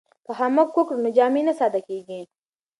که خامک وکړو نو جامې نه ساده کیږي.